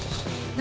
何？